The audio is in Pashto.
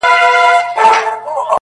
د پښتو ادب نړۍ ده پرې روښانه،